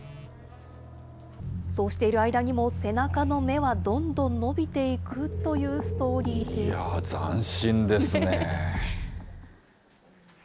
そうしている間にも背中の芽はどんどん伸びていくというストーリいやー、斬新ですね。